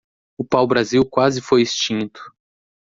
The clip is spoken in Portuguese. O pau-brasil quase foi extinto